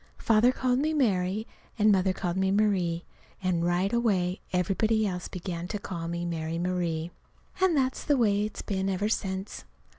Father called me Mary, and Mother called me Marie. And right away everybody else began to call me Mary Marie. And that's the way it's been ever since.